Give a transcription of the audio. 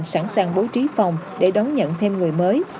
sẵn sàng bố trí phòng để đón nhận thêm người mới